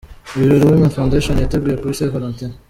Ibirori Women Foundation yateguye kuri St Valentin.